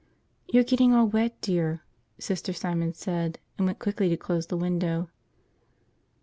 "You're getting all wet, dear," Sister Simon said, and went quickly to close the window.